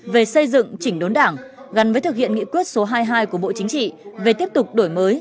về xây dựng chỉnh đốn đảng gắn với thực hiện nghị quyết số hai mươi hai của bộ chính trị về tiếp tục đổi mới